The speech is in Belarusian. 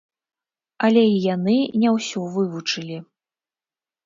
Але і яны не ўсё вывучылі.